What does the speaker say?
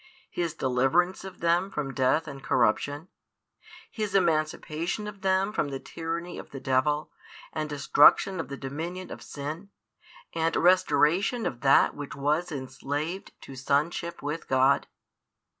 His deliverance of them from death and corruption? His emancipation of them from the tyranny of the devil, and destruction of the dominion of sin, and restoration of that which was enslaved to sonship with God?